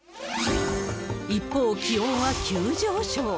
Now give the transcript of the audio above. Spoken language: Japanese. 一方、気温は急上昇。